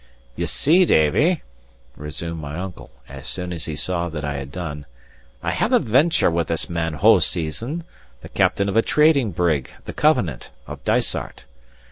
"You see, Davie," resumed my uncle, as soon as he saw that I had done, "I have a venture with this man Hoseason, the captain of a trading brig, the Covenant, of Dysart.